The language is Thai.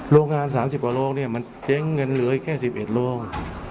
โรงงาน๓๐กว่าโรงเนี่ยมันเจ๊งเงินเหลืออีกแค่๑๑โรง